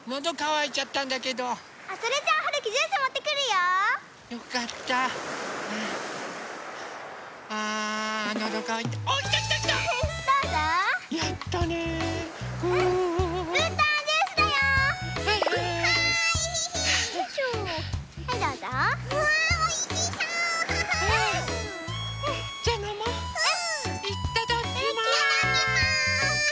いただきます！